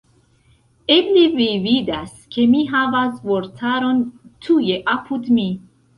Eble vi vidas, ke mi havas vortaron tuje apud mi.